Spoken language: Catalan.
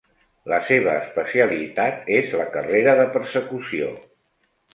La seva especialitat és la carrera de persecució.